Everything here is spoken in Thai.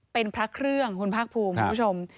เป็นพระเครื่องคุณภาคภูมิคุณผู้ชม